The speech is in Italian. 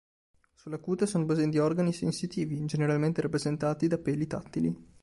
Sulla cute sono presenti organi sensitivi, generalmente rappresentati da peli tattili.